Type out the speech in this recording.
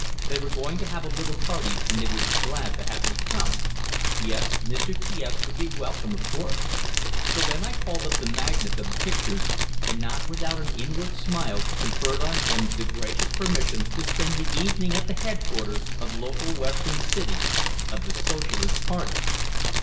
They were going to have a little party, and they would be glad to have me come. Yes, Mr. T S would be welcome, of course. So then I called up the magnate of the pictures, and not without an inward smile, conferred on him the gracious permission to spend the evening at the headquarters of Local Western City of the Socialist Party!